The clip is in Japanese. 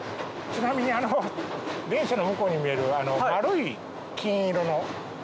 ちなみに電車の向こうに見える丸い金色の。